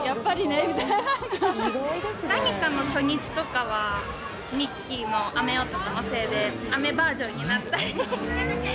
何かの初日とかはミッキーの雨男のせいで、雨バージョンになったり。